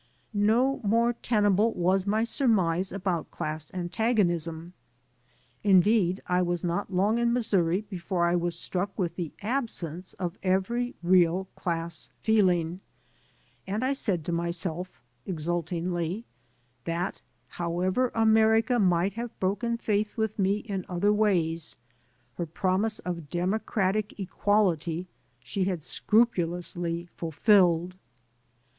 No more tenable was my surmise about dass antagonism. Indeed, I was not long in Missouri before I was struck with the absence of every real class feeling, and I said to myself, exultingly , that however America might have broken faith with me in other ways, her promise of democratic equality she had scrupulously fulfilled.